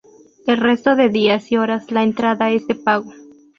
El resto de días y horas la entrada es de pago.